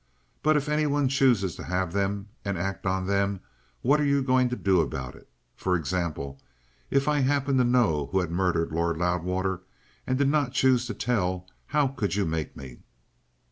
"But if any one chooses to have them, and act on them, what are you going to do about it? For example, if I happened to know who had murdered Lord Loudwater and did not choose to tell, how could you make me?"